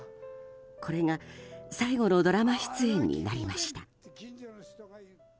これが最後のドラマ出演になりました。